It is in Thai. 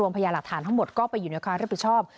รวมไพยลักษณ์ทั้งหมดก็ไปอยู่ในความรับผิดชอบ